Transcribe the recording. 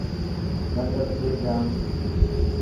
نه ته ٿي جاند.